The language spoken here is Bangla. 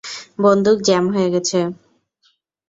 বন্দুক জ্যাম হয়ে গেছে।